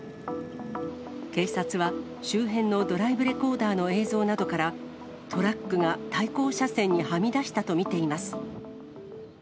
警察は、周辺のドライブレコーダーの映像などから、トラックが対向車線にはみ出したと見ています。